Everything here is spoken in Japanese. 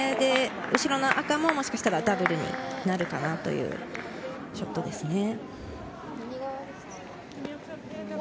後ろの赤ももしかしたらダブルになるかなというショットです。